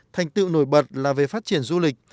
thành tựu nổi bật là về phát triển du lịch